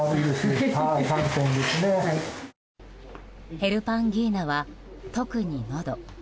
ヘルパンギーナは特にのど。